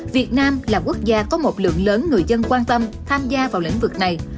việt nam là quốc gia có một lượng lớn người dân quan tâm tham gia vào lĩnh vực này